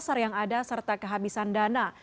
pasar yang ada serta kehabisan dana